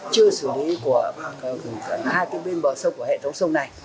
chưa xử lý của hai cái bên bờ sông của hệ thống sông này